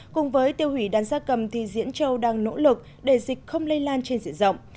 cùng với tiêu hủy đàn gia cầm thì diễn châu đang nỗ lực để dịch không lây lan trên diện rộng